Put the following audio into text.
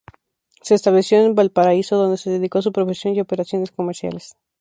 Se estableció en Valparaíso donde se dedicó a su profesión y a operaciones comerciales.